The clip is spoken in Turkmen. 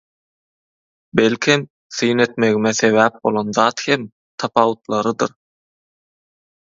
Belkem syn etmegime sebäp bolan zat hem tapawutlarydyr.